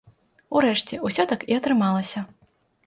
Урэшце, усё так і атрымалася.